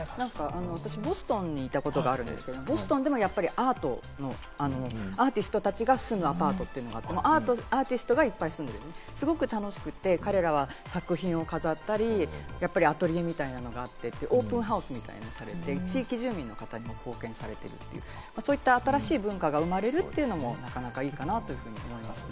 私ボストンにいたことあるんですが、ボストンでもアーティストたちが住むアパートっていうのがあって、すごく楽しくって、彼らは作品を飾ったり、アトリエみたいになって、オープンハウスみたいになって、地域住民の方にも貢献していて、そういった新しい文化が生まれるというのも、なかなかいいかなと思いますね。